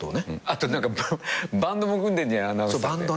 あとバンドも組んでんじゃんアナウンサーで。